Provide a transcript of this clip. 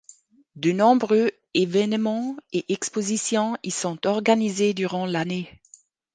De nombreux évènements et expositions y sont organisés durant l'année.